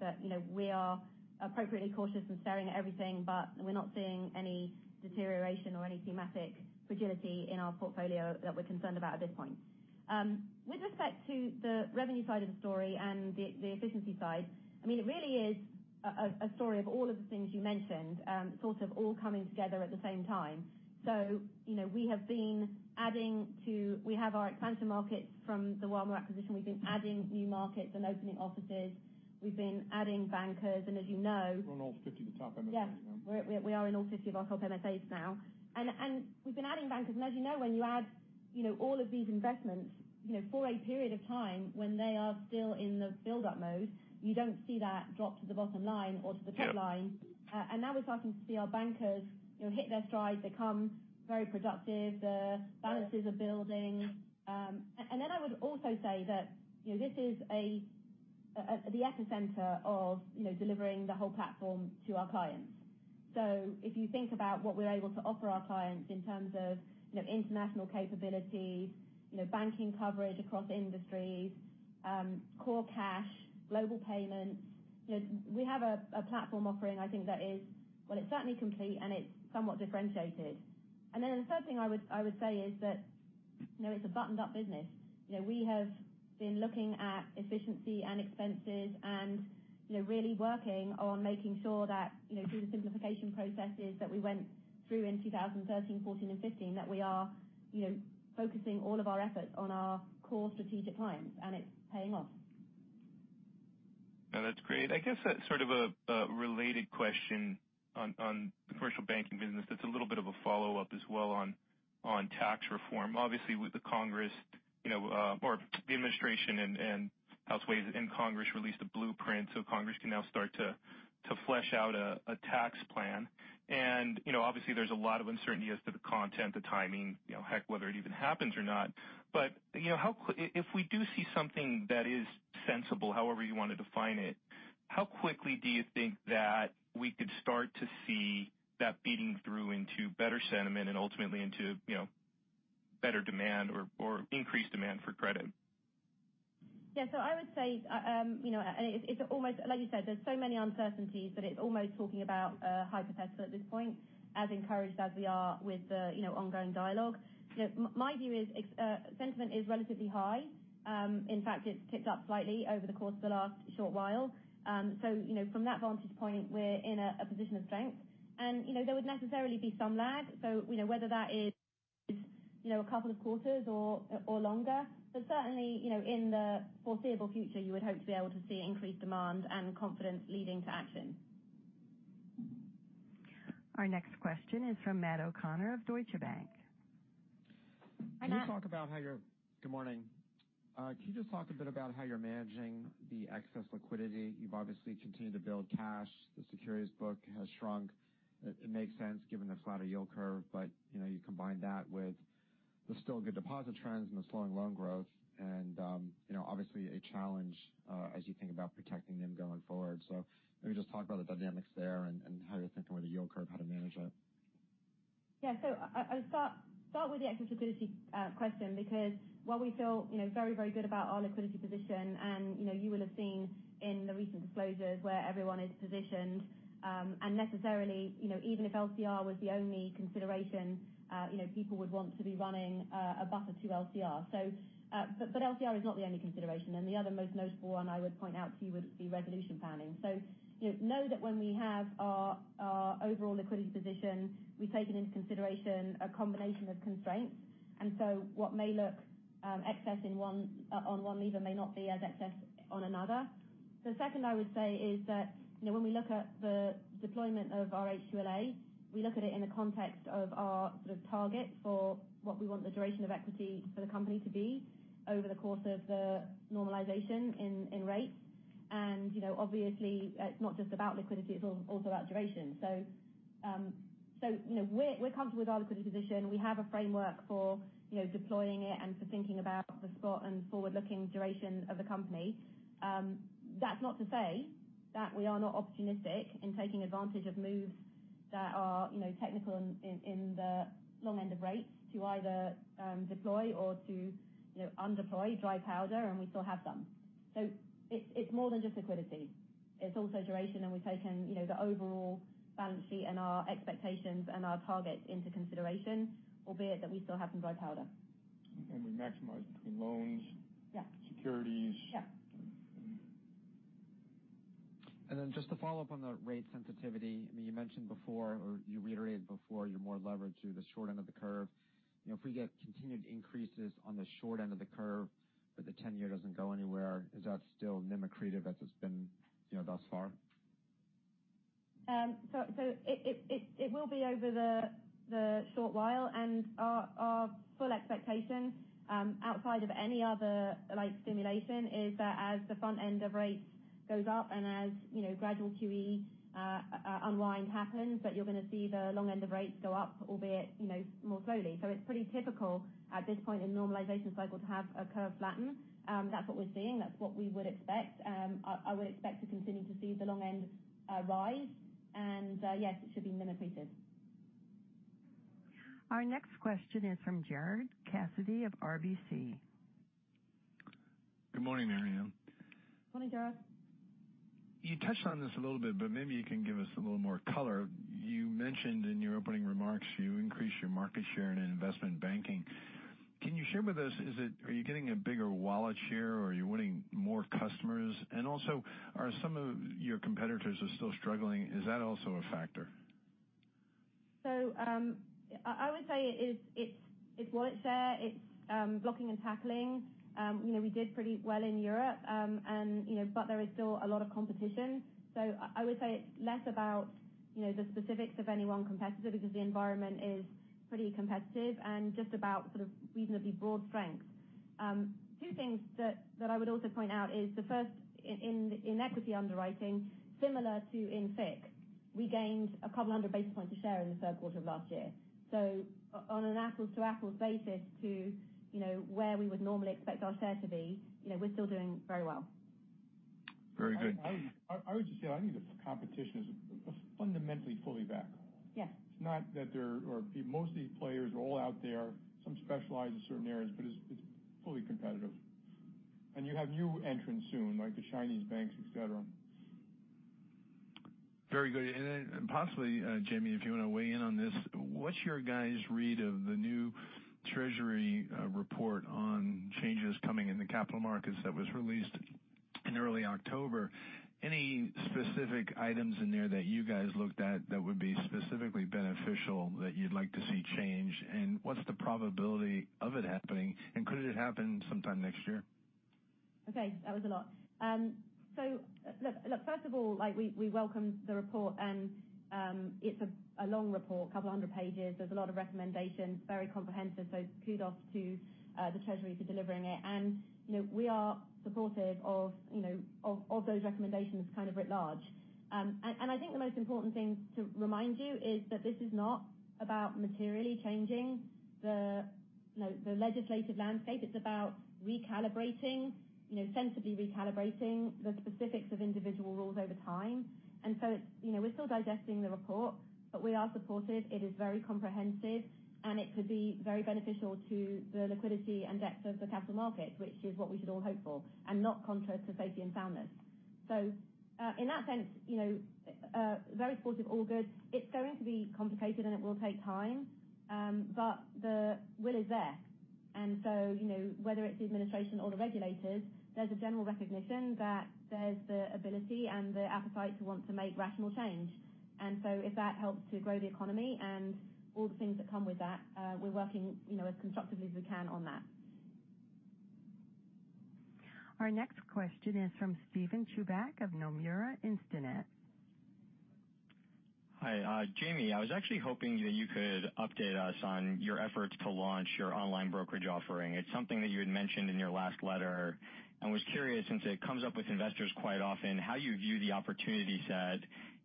We are Appropriately cautious and staring at everything, but we're not seeing any deterioration or any thematic fragility in our portfolio that we're concerned about at this point. With respect to the revenue side of the story and the efficiency side, it really is a story of all of the things you mentioned sort of all coming together at the same time. We have our expansion markets from the WaMu acquisition. We've been adding new markets and opening offices. We've been adding bankers, and as you know- We're in all 50 of the top MSAs now. Yeah. We are in all 50 of our top MSAs now. We've been adding bankers, and as you know, when you add all of these investments for a period of time when they are still in the build-up mode, you don't see that drop to the bottom line or to the top line. Yeah. Now we're starting to see our bankers hit their stride, become very productive. The balances are building. Then I would also say that this is the epicenter of delivering the whole platform to our clients. If you think about what we're able to offer our clients in terms of international capability, banking coverage across industries, core cash, global payments, we have a platform offering, I think that is Well, it's certainly complete, and it's somewhat differentiated. Then the third thing I would say is that it's a buttoned-up business. We have been looking at efficiency and expenses and really working on making sure that through the simplification processes that we went through in 2013, 2014, and 2015, that we are focusing all of our efforts on our core strategic clients, and it's paying off. No, that's great. I guess a sort of a related question on the commercial banking business that's a little bit of a follow-up as well on tax reform. Obviously, with the Congress or the administration and House way and Congress released a blueprint, Congress can now start to flesh out a tax plan. Obviously, there's a lot of uncertainty as to the content, the timing, heck, whether it even happens or not. If we do see something that is sensible, however you want to define it, how quickly do you think that we could start to see that feeding through into better sentiment and ultimately into better demand or increased demand for credit? Yeah. I would say, like you said, there's so many uncertainties, it's almost talking about a hypothetical at this point, as encouraged as we are with the ongoing dialogue. My view is sentiment is relatively high. In fact, it's ticked up slightly over the course of the last short while. From that vantage point, we're in a position of strength. There would necessarily be some lag, whether that is a couple of quarters or longer. Certainly, in the foreseeable future, you would hope to be able to see increased demand and confidence leading to action. Our next question is from Matt O'Connor of Deutsche Bank. Hi, Matt. Good morning. Can you just talk a bit about how you're managing the excess liquidity? You've obviously continued to build cash. The securities book has shrunk. It makes sense given the flatter yield curve, but you combine that with the still good deposit trends and the slowing loan growth, and obviously a challenge as you think about protecting them going forward. Maybe just talk about the dynamics there and how you're thinking with the yield curve, how to manage it. Yeah. I would start with the excess liquidity question, because while we feel very good about our liquidity position, and you will have seen in the recent disclosures where everyone is positioned. Necessarily, even if LCR was the only consideration, people would want to be running a buffer to LCR. LCR is not the only consideration. The other most notable one I would point out to you would be resolution planning. Know that when we have our overall liquidity position, we've taken into consideration a combination of constraints. What may look excess on one lever may not be as excess on another. The second I would say is that when we look at the deployment of our HQLA, we look at it in the context of our target for what we want the duration of equity for the company to be over the course of the normalization in rates. Obviously, it's not just about liquidity, it's also about duration. We're comfortable with our liquidity position. We have a framework for deploying it and for thinking about the spot and forward-looking duration of the company. That's not to say that we are not opportunistic in taking advantage of moves that are technical in the long end of rates to either deploy or to undeploy dry powder, and we still have some. It's more than just liquidity. It's also duration. We've taken the overall balance sheet and our expectations and our targets into consideration, albeit that we still have some dry powder. We maximize between loans. Yeah securities. Yeah. Just to follow up on the rate sensitivity, you mentioned before, or you reiterated before, you're more leveraged through the short end of the curve. If we get continued increases on the short end of the curve, but the 10-year doesn't go anywhere, is that still NIM accretive as it's been thus far? It will be over the short while, our full expectation, outside of any other stimulation, is that as the front end of rates goes up and as gradual QE unwind happens, that you're going to see the long end of rates go up, albeit more slowly. It's pretty typical at this point in the normalization cycle to have a curve flatten. That's what we're seeing. That's what we would expect. I would expect to continue to see the long end rise. Yes, it should be NIM accretive. Our next question is from Gerard Cassidy of RBC. Good morning, Marianne. Morning, Gerard. You touched on this a little bit. Maybe you can give us a little more color. You mentioned in your opening remarks you increased your market share in Investment Banking. Can you share with us, are you getting a bigger wallet share or are you winning more customers? Also, are some of your competitors still struggling? Is that also a factor? I would say it's wallet share, it's blocking and tackling. We did pretty well in Europe, there is still a lot of competition. I would say it's less about the specifics of any one competitor, because the environment is pretty competitive and just about sort of reasonably broad strength. Two things that I would also point out is the first, in equity underwriting, similar to in FICC, we gained a couple hundred basis points of share in the third quarter of last year. On an apples to apples basis to where we would normally expect our share to be, we're still doing very well. Very good. I would just say, I think the competition is fundamentally fully back. Yeah. It's not that there most of these players are all out there. Some specialize in certain areas, but it's fully competitive. You have new entrants soon, like the Chinese banks, et cetera. Very good. Possibly, Jamie, if you want to weigh in on this, what's your guys' read of the new Treasury report on changes coming in the capital markets that was released in early October? Any specific items in there that you guys looked at that would be specifically beneficial that you'd like to see change? What's the probability of it happening, and could it happen sometime next year? Okay, that was a lot. Look, first of all, we welcome the report it's a long report, a couple of 100 pages. There's a lot of recommendations, very comprehensive. Kudos to the Treasury for delivering it. We are supportive of those recommendations writ large. I think the most important thing to remind you is that this is not about materially changing the legislative landscape. It's about recalibrating, sensibly recalibrating the specifics of individual rules over time. We're still digesting the report, but we are supportive. It is very comprehensive, and it could be very beneficial to the liquidity and depth of the capital markets, which is what we should all hope for, and not contrary to safety and soundness. In that sense, very supportive, all good. It's going to be complicated, and it will take time, but the will is there. Whether it's the administration or the regulators, there's a general recognition that there's the ability and the appetite to want to make rational change. If that helps to grow the economy and all the things that come with that, we're working as constructively as we can on that. Our next question is from Steven Chubak of Nomura Instinet. Hi. Jamie, I was actually hoping that you could update us on your efforts to launch your online brokerage offering. It's something that you had mentioned in your last letter, and was curious, since it comes up with investors quite often, how you view the opportunity set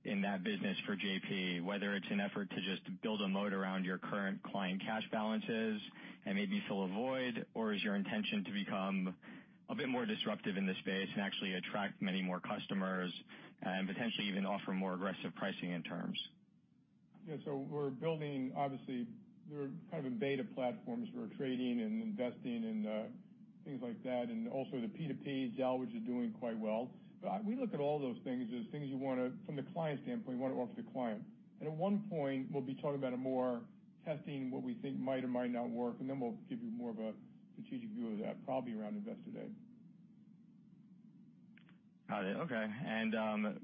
in that business for JPMorgan. Whether it's an effort to just build a moat around your current client cash balances and maybe fill a void, or is your intention to become a bit more disruptive in the space and actually attract many more customers and potentially even offer more aggressive pricing and terms? Yeah. We're building, obviously, we're kind of in beta platforms for trading and investing and things like that, and also the P2P, Zelle, which are doing quite well. We look at all those things as things you want to, from the client standpoint, want to offer the client. At one point, we'll be talking about it more, testing what we think might or might not work, and then we'll give you more of a strategic view of that, probably around Investor Day. Got it. Okay.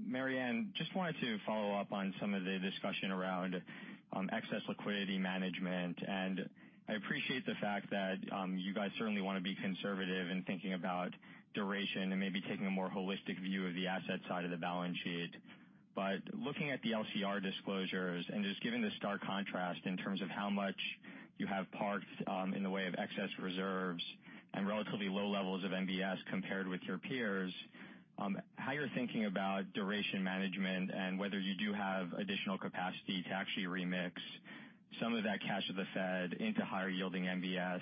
Marianne, just wanted to follow up on some of the discussion around excess liquidity management. I appreciate the fact that you guys certainly want to be conservative in thinking about duration and maybe taking a more holistic view of the asset side of the balance sheet. Looking at the LCR disclosures and just given the stark contrast in terms of how much you have parked in the way of excess reserves and relatively low levels of MBS compared with your peers, how you're thinking about duration management and whether you do have additional capacity to actually remix some of that cash at the Fed into higher yielding MBS,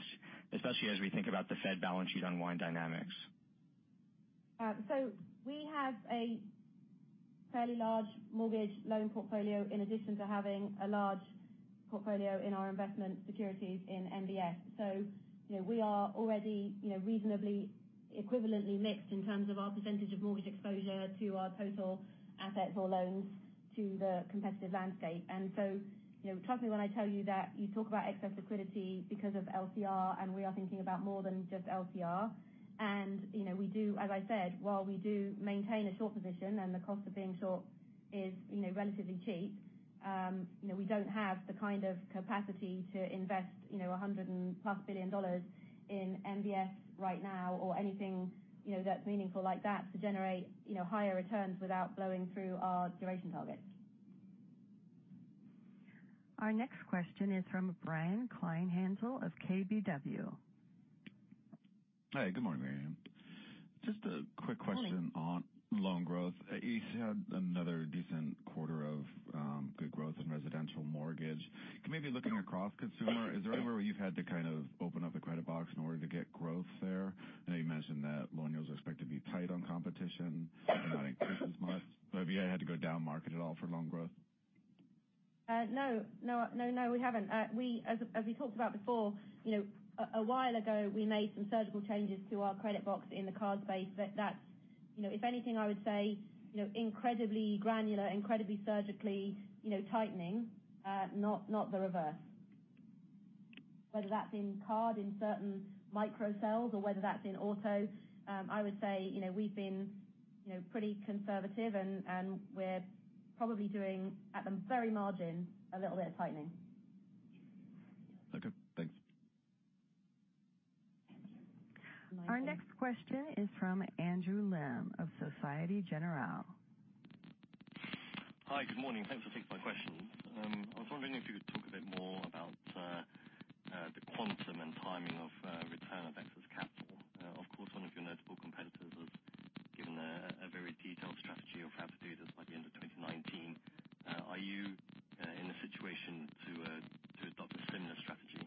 especially as we think about the Fed balance sheet unwind dynamics. We have a fairly large mortgage loan portfolio in addition to having a large portfolio in our investment securities in MBS. We are already reasonably equivalently mixed in terms of our percentage of mortgage exposure to our total assets or loans to the competitive landscape. Trust me when I tell you that you talk about excess liquidity because of LCR, and we are thinking about more than just LCR. We do, as I said, while we do maintain a short position and the cost of being short is relatively cheap, we don't have the kind of capacity to invest $100-and-plus billion in MBS right now or anything that's meaningful like that to generate higher returns without blowing through our duration targets. Our next question is from Brian Kleinhanzl of KBW. Hi, good morning, Marianne. Just a quick question. Morning On loan growth. You had another decent quarter of good growth in residential mortgage. Maybe looking across consumer, is there anywhere where you've had to kind of open up a credit box in order to get growth there? I know you mentioned that loan yields are expected to be tight on competition and not increase as much. Have you had to go down market at all for loan growth? No, we haven't. As we talked about before, a while ago, we made some surgical changes to our credit box in the card space. That's, if anything, I would say, incredibly granular, incredibly surgically tightening, not the reverse. Whether that's in card, in certain micro cells, or whether that's in auto, I would say, we've been pretty conservative and we're probably doing, at the very margin, a little bit of tightening. Okay, thanks. Our next question is from Andrew Lim of Societe Generale. Hi, good morning. Thanks for taking my questions. I was wondering if you could talk a bit more about the quantum and timing of return of excess capital. Of course, one of your notable competitors has given a very detailed strategy of how to do this by the end of 2019. Are you in a situation to adopt a similar strategy?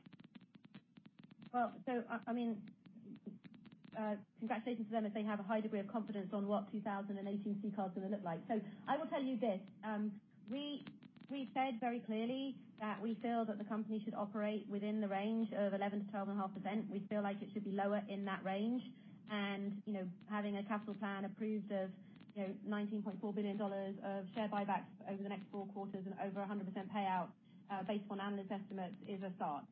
Congratulations to them if they have a high degree of confidence on what 2018 CCAR is going to look like. I will tell you this. We said very clearly that we feel that the company should operate within the range of 11%-12.5%. We feel like it should be lower in that range. Having a capital plan approved of $19.4 billion of share buybacks over the next 4 quarters and over 100% payout, based on analyst estimates, is a start.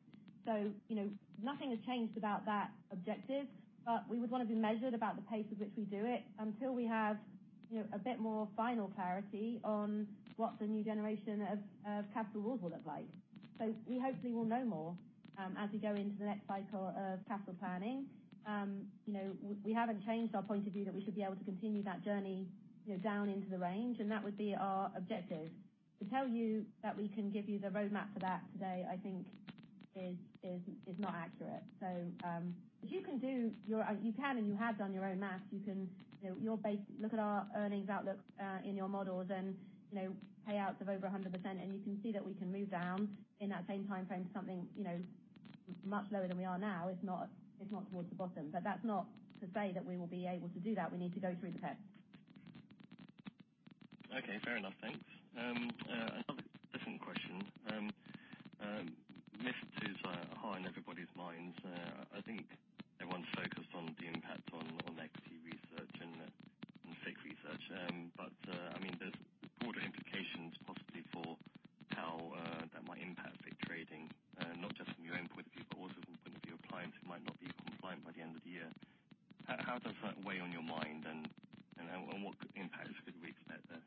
Nothing has changed about that objective, but we would want to be measured about the pace at which we do it until we have a bit more final clarity on what the new generation of capital rules will look like. We hopefully will know more, as we go into the next cycle of capital planning. We haven't changed our point of view that we should be able to continue that journey down into the range, and that would be our objective. To tell you that we can give you the roadmap for that today, I think is not accurate. You can and you have done your own math. You look at our earnings outlook in your models and payouts of over 100%, and you can see that we can move down in that same timeframe to something much lower than we are now. It's not towards the bottom. That's not to say that we will be able to do that. We need to go through the tests. Okay, fair enough. Thanks. Another different question. MiFID II is high on everybody's minds. I think everyone's focused on the impact on equity research and safe research. There's broader implications possibly for how that might impact big trading, not just from your own point of view, but also from the point of your clients who might not be compliant by the end of the year. How does that weigh on your mind and what impacts could we expect there?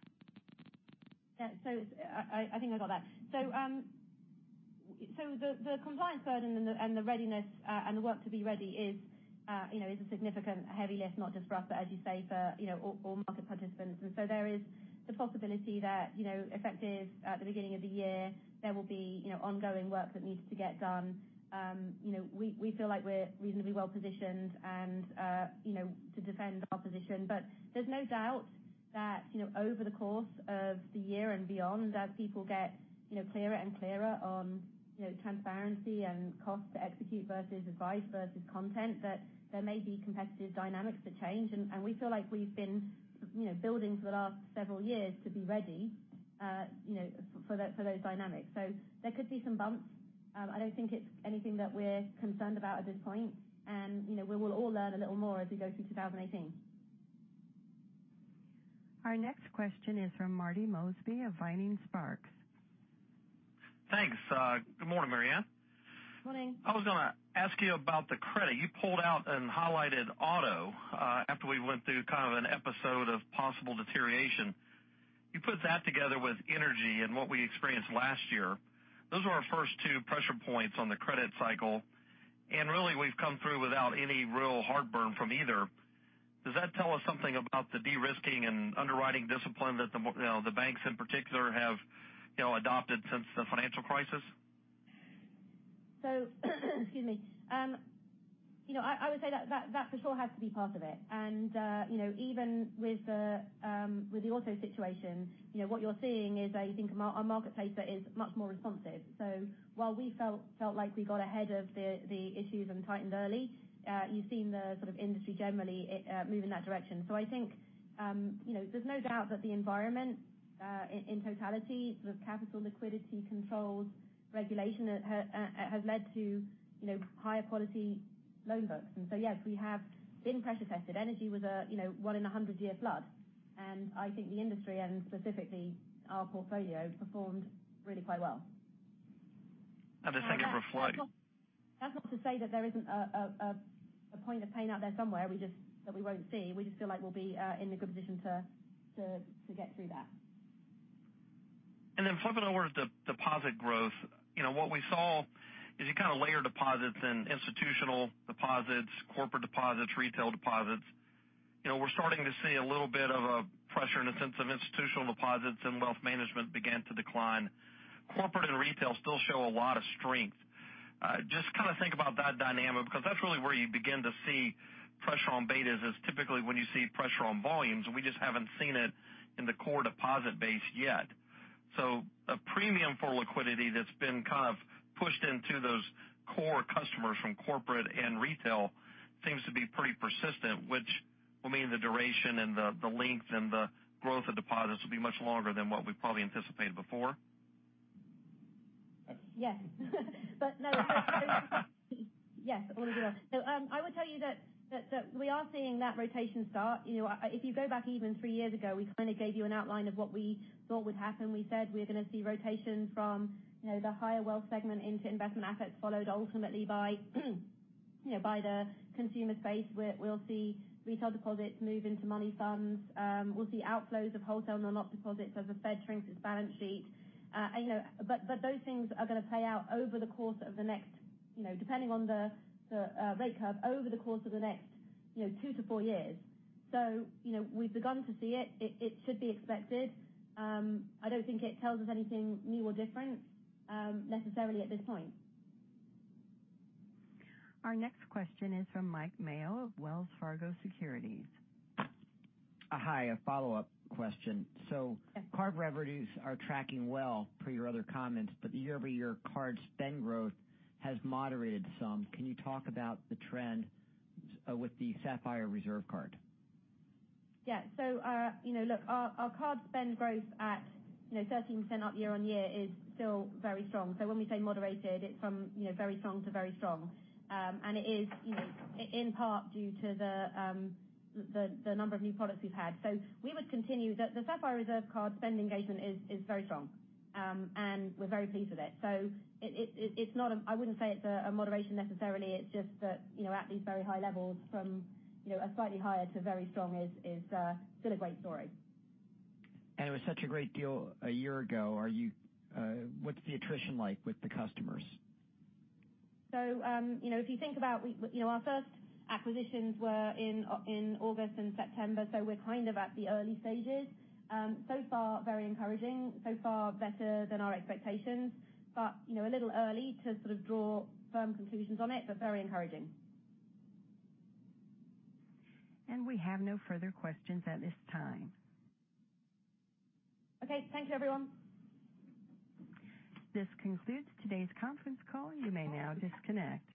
I think I got that. The compliance burden and the readiness and the work to be ready is a significant heavy lift, not just for us, but as you say, for all market participants. There is the possibility that effective at the beginning of the year, there will be ongoing work that needs to get done. We feel like we're reasonably well-positioned to defend our position. There's no doubt that over the course of the year and beyond, as people get clearer and clearer on transparency and cost to execute versus advice versus content, that there may be competitive dynamics that change. We feel like we've been building for the last several years to be ready for those dynamics. There could be some bumps. I don't think it's anything that we're concerned about at this point. We will all learn a little more as we go through 2018. Our next question is from Marty Mosby of Vining Sparks. Thanks. Good morning, Marianne. Morning. I was going to ask you about the credit. You pulled out and highlighted auto, after we went through kind of an episode of possible deterioration. You put that together with energy and what we experienced last year. Those are our first two pressure points on the credit cycle, and really we've come through without any real heartburn from either. Does that tell us something about the de-risking and underwriting discipline that the banks in particular have adopted since the financial crisis? Excuse me. I would say that for sure has to be part of it. Even with the auto situation, what you're seeing is I think a marketplace that is much more responsive. While we felt like we got ahead of the issues and tightened early, you've seen the industry generally move in that direction. I think, there's no doubt that the environment in totality, sort of capital liquidity controls, regulation, has led to higher quality loan books. Yes, we have been pressure tested. Energy was a one in 100 year flood, and I think the industry and specifically our portfolio performed really quite well. The second reflate. That's not to say that there isn't a point of pain out there somewhere that we won't see. We just feel like we'll be in a good position to get through that. Flipping over to deposit growth. What we saw is you kind of layer deposits and institutional deposits, corporate deposits, retail deposits. We're starting to see a little bit of a pressure in the sense of institutional deposits and wealth management began to decline. Corporate and retail still show a lot of strength. Just kind of think about that dynamic, because that's really where you begin to see pressure on betas is typically when you see pressure on volumes, and we just haven't seen it in the core deposit base yet. A premium for liquidity that's been kind of pushed into those core customers from corporate and retail seems to be pretty persistent, which will mean the duration and the length and the growth of deposits will be much longer than what we probably anticipated before. Yes. Yes. I would tell you that we are seeing that rotation start. If you go back even 3 years ago, we gave you an outline of what we thought would happen. We said we're going to see rotation from the higher wealth segment into investment assets, followed ultimately by the consumer space, where we'll see retail deposits move into money funds. We'll see outflows of wholesale non-op deposits as the Fed shrinks its balance sheet. Those things are going to play out over the course of the next, depending on the rate curve, over the course of the next 2-4 years. We've begun to see it. It should be expected. I don't think it tells us anything new or different, necessarily at this point. Our next question is from Mike Mayo of Wells Fargo Securities. Hi, a follow-up question. Card revenues are tracking well per your other comments, but year-over-year card spend growth has moderated some. Can you talk about the trend with the Sapphire Reserve card? Yeah. Look, our card spend growth at 13% up year-over-year is still very strong. When we say moderated, it's from very strong to very strong. It is in part due to the number of new products we've had. We would continue that the Sapphire Reserve card spend engagement is very strong, and we're very pleased with it. I wouldn't say it's a moderation necessarily, it's just that at these very high levels from a slightly higher to very strong is still a great story. It was such a great deal a year ago. What's the attrition like with the customers? If you think about our first acquisitions were in August and September, so we're at the early stages. Far, very encouraging. Far better than our expectations. A little early to draw firm conclusions on it, but very encouraging. We have no further questions at this time. Okay, thank you everyone. This concludes today's conference call. You may now disconnect.